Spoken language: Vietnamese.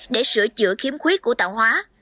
để sửa chữa khiếm khuyết của tạo hóa